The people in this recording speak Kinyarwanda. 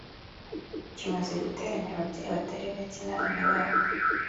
kimaze guteranya ababyeyi batari bake n’abana babo